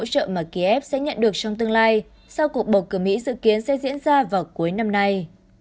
hỗ trợ mà kiev sẽ nhận được trong tương lai sau cuộc bầu cử mỹ dự kiến sẽ diễn ra vào cuối năm nay